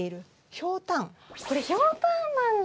これひょうたんなんだ！